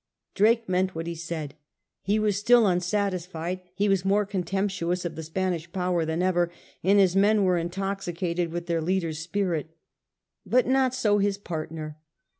Drake meant what he said. He was still unsatisfied ; he was more contemptuous of the Spanish power than ever, and his men were intoxicated with their leader's spirit But not so his partner.